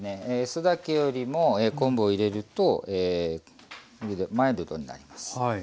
酢だけよりも昆布を入れるとマイルドになります。